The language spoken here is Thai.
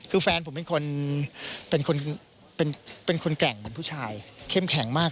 คือแฟนผมเป็นคนแกร่งเหมือนผู้ชายเข้มแข็งมาก